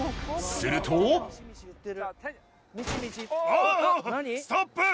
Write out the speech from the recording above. するとあぁストップ！